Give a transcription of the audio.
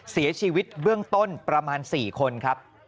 เสียชีวิตเบื้องต้นประมาณ๔คนครับ